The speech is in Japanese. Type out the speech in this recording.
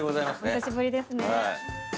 お久しぶりですね。